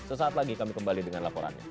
sesaat lagi kami kembali dengan laporannya